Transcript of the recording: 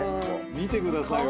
見てくださいよ。